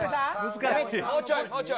難しい。